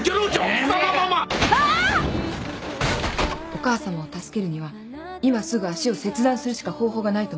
お母さまを助けるには今すぐ脚を切断するしか方法がないと思います。